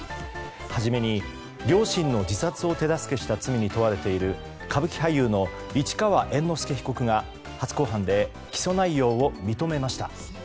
初めに、両親の自殺を手助けした罪に問われている歌舞伎俳優の市川猿之助被告が初公判で起訴内容を認めました。